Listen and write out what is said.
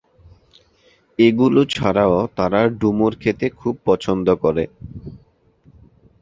এগুলো ছাড়াও তারা ডুমুর খেতে খুব পছন্দ করে।